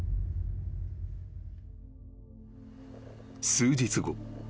［数日後。